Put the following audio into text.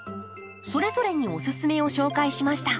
それぞれにおススメを紹介しました。